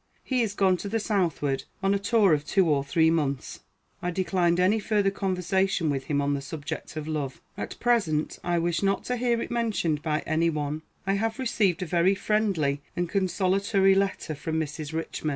He is gone to the southward on a tour of two or three months. I declined any further conversation with him on the subject of love. At present I wish not to hear it mentioned by any one. I have received a very friendly and consolatory letter from Mrs. Richman.